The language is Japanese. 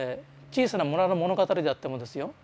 小さな村の物語であってもですよ